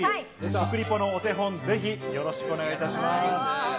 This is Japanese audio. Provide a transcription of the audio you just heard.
食リポのお手本、ぜひよろしくお願いいたします。